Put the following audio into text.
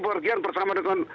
berharga bersama dengan